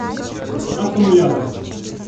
Аккумулятор